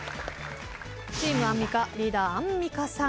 チームアンミカリーダーアンミカさん。